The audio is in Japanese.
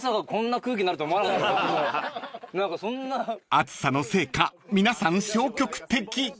［暑さのせいか皆さん消極的］